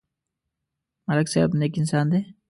ملک صاحب نېک انسان دی.